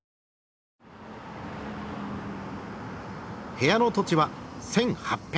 部屋の土地は１，８００坪。